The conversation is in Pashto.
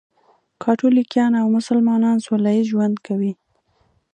کاتولیکان او مسلمانان سولهییز ژوند کوي.